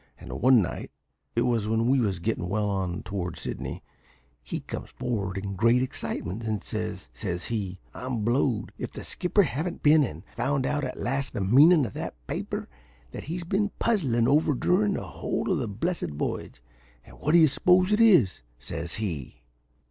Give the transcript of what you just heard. And one night it was when we was gettin' well on toward Sydney he comes for'ard in great excitement, and he says, says he, `I'm blowed if the skipper haven't been and found out at last the meanin' of that paper that he's been puzzlin' over durin' the whole of this blessed voyage; and what do you suppose it is?' says he.